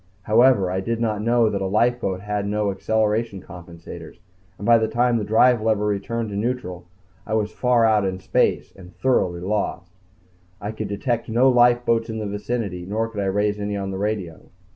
However, I did not know that a lifeboat had no acceleration compensators, and by the time the drive lever returned to neutral, I was far out in space and thoroughly lost. I could detect no lifeboats in the vicinity nor could I raise any on the radio.